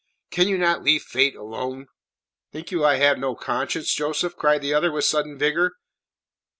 "Can you not leave Fate alone?" "Think you I have no conscience, Joseph?" cried the other with sudden vigour.